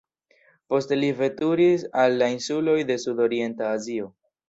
Poste li veturis al la insuloj de Sudorienta Azio.